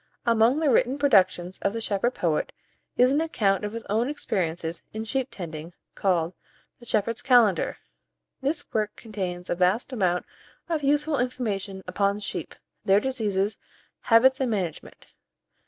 Among the written productions of the shepherd poet, is an account of his own experiences in sheep tending, called "The Shepherd's Calender." This work contains a vast amount of useful information upon sheep, their diseases, habits, and management.